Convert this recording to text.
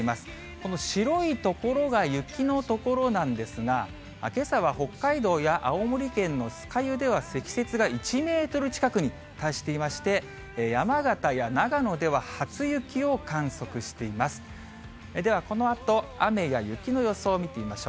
この白い所が雪の所なんですが、けさは北海道や青森県の酸ヶ湯では、積雪が１メートル近くに達していまして、山形や長野では初雪を観測しています。